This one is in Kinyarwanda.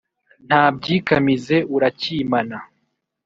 nta byikamize urakimana